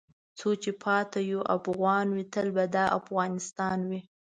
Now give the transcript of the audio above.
څو چې پاتې یو افغان وې تل به دا افغانستان وې .